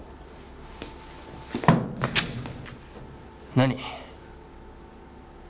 何？